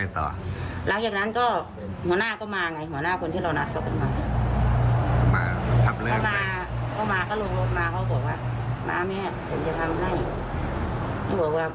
ทำไม่มีอารมณ์จะทำแล้ว